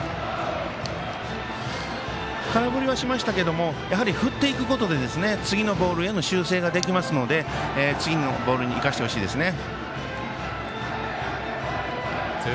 空振りはしましたけどもやはり振っていくことで次のボールへの修正ができますので次のボールに生かしてほしいですね。